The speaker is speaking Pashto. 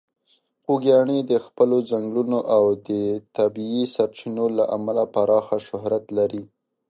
خوږیاڼي د خپلې ځنګلونو او د طبیعي سرچینو له امله پراخه شهرت لري.